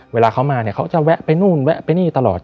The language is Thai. เวลาเขามาเนี่ยเขาจะแวะไปนู่นแวะไปนี่ตลอด